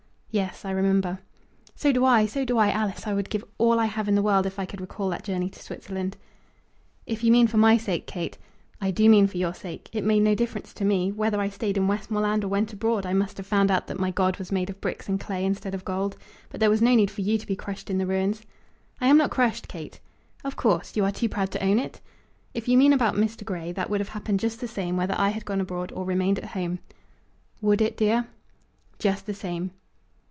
"Yes; I remember." "So do I! So do I! Alice, I would give all I have in the world, if I could recall that journey to Switzerland." "If you mean for my sake, Kate " "I do mean for your sake. It made no difference to me. Whether I stayed in Westmoreland or went abroad, I must have found out that my god was made of bricks and clay instead of gold. But there was no need for you to be crushed in the ruins." "I am not crushed, Kate!" "Of course, you are too proud to own it?" "If you mean about Mr. Grey, that would have happened just the same, whether I had gone abroad or remained at home." "Would it, dear?" "Just the same."